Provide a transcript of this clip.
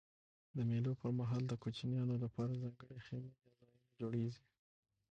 د مېلو پر مهال د کوچنيانو له پاره ځانګړي خیمې یا ځایونه جوړېږي.